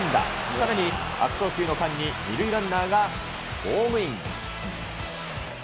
さらに、悪送球の間に、２塁ランナーがホームイン。